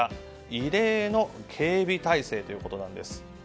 異例の警備態勢ということです。